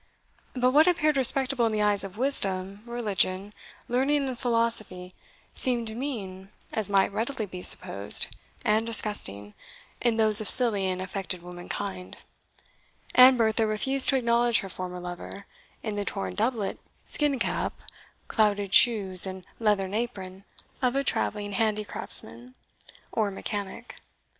But what appeared respectable in the eyes of wisdom, religion, learning, and philosophy, seemed mean, as might readily be supposed, and disgusting, in those of silly and affected womankind, and Bertha refused to acknowledge her former lover, in the torn doublet, skin cap, clouted shoes, and leathern apron, of a travelling handicraftsman or mechanic.